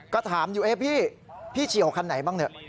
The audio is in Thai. ก็ถามอยู่พี่เฉียวคันไหนบ้าง